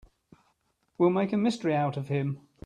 We'll make a mystery out of him.